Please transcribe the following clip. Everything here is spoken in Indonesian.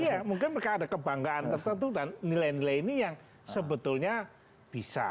iya mungkin mereka ada kebanggaan tertentu dan nilai nilai ini yang sebetulnya bisa